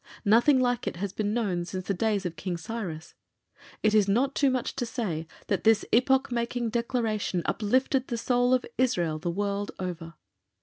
Nothing like it has been known since the days of King Cyrus. It is not too much to say that this epoch making Declaration uplifted the soul of Israel the world over.